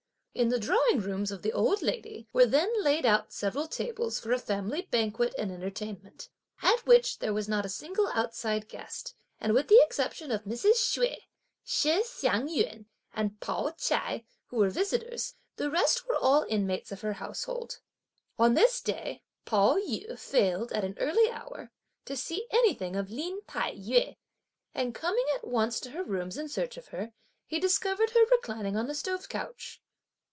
In the drawing rooms of the old lady were then laid out several tables for a family banquet and entertainment, at which there was not a single outside guest; and with the exception of Mrs. Hsüeh, Shih Hsiang yün, and Pao ch'ai, who were visitors, the rest were all inmates of her household. On this day, Pao yü failed, at any early hour, to see anything of Lin Tai yü, and coming at once to her rooms in search of her, he discovered her reclining on the stove couch.